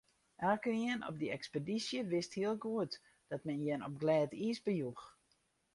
Elkenien op dy ekspedysje wist hiel goed dat men jin op glêd iis bejoech.